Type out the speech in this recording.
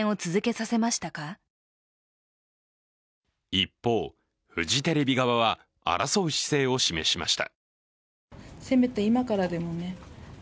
一方、フジテレビ側は争う姿勢を示しました。